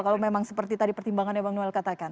kalau memang seperti tadi pertimbangannya bang noel katakan